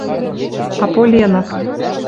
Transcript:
А Поленов: